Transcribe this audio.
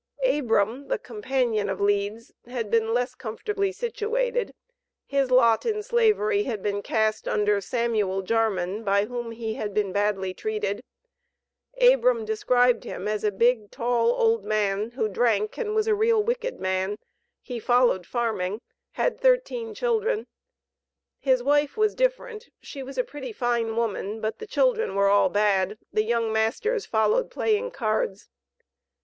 Abram, the companion of Leeds, had been less comfortably situated. His lot in Slavery had been cast under Samuel Jarman, by whom he had been badly treated. Abram described him as a "big, tall, old man, who drank and was a real wicked man; he followed farming; had thirteen children. His wife was different; she was a pretty fine woman, but the children were all bad; the young masters followed playing cards."